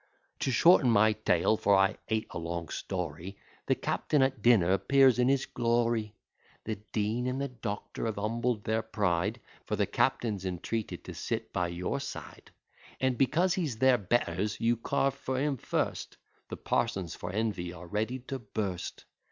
To shorten my tale, (for I hate a long story,) The captain at dinner appears in his glory; The dean and the doctor have humbled their pride, For the captain's entreated to sit by your side; And, because he's their betters, you carve for him first; The parsons for envy are ready to burst.